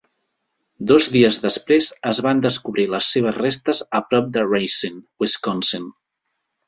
Dos dies després, es van descobrir les seves restes a prop de Racine, Wisconsin.